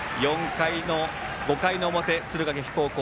５回の表、敦賀気比高校。